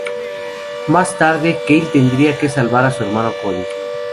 Más tarde, Kyle tendría que salvar a su hermano Cody.